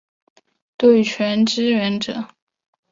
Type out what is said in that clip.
对拳支援者